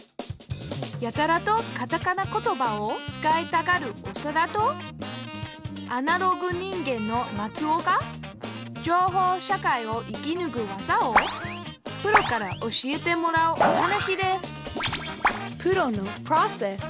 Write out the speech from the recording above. やたらとカタカナ言葉を使いたがるオサダとアナログ人間のマツオが情報社会を生きぬく技をプロから教えてもらうお話です